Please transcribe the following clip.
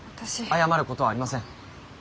謝ることはありません。